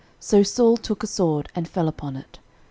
So Saul took a sword, and fell upon it.